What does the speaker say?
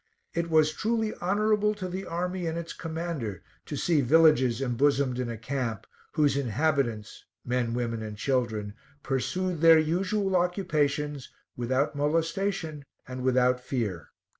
It was truly honorable to the army and its commander to see villages embosomed in a camp, whose inhabitants, men, women and children, pursued their usual occupations, without molestation and without fear.